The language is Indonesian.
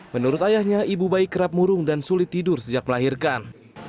menurut ayahnya ibu bayi kerap murung dan sulit tidur sejak melahirkan